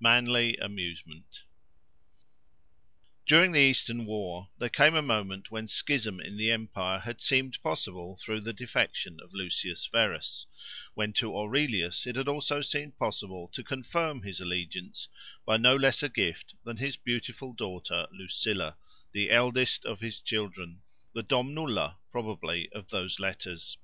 MANLY AMUSEMENT During the Eastern war there came a moment when schism in the empire had seemed possible through the defection of Lucius Verus; when to Aurelius it had also seemed possible to confirm his allegiance by no less a gift than his beautiful daughter Lucilla, the eldest of his children—the domnula, probably, of those letters.